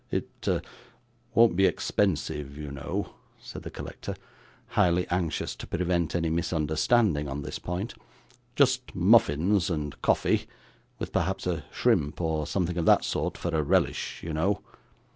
It won't be expensive, you know,' said the collector, highly anxious to prevent any misunderstanding on this point; 'just muffins and coffee, with perhaps a shrimp or something of that sort for a relish, you know.